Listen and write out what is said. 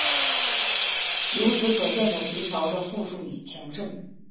由此可见的隋朝的富庶与强盛。